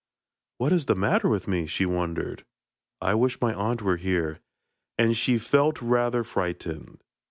'What is the matter with me?' she wondered. 'I wish my aunt were here,' and she felt rather frightened.